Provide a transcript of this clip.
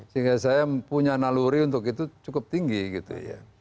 sehingga saya punya naluri untuk itu cukup tinggi gitu ya